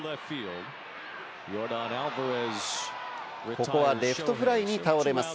ここはレフトフライに倒れます。